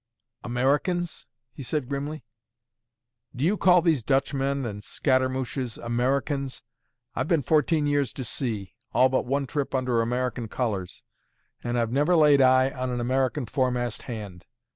"Americans?" he said grimly. "Do you call these Dutchmen and Scattermouches Americans? I've been fourteen years to sea, all but one trip under American colours, and I've never laid eye on an American foremast hand.